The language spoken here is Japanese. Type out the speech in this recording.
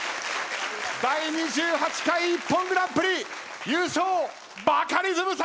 第２８回『ＩＰＰＯＮグランプリ』優勝バカリズムさん